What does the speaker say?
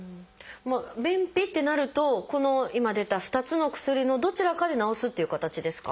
便秘ってなるとこの今出た２つの薬のどちらかで治すっていう形ですか？